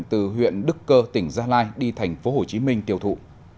từ huyện đức cơ tỉnh gia lai đi tp hcm tiêu thụ